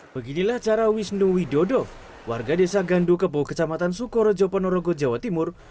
beginilah cara wisnu widodo warga desa gandu kepo kecamatan sukoro jopon norogo jawa timur